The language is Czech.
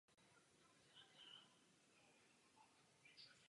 Jev se dá využít k detekci slunečních erupcí.